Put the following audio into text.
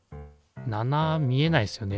７見えないですよね。